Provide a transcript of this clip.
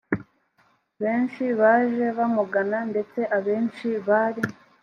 benshi baje bamugana ndetse abenshi bari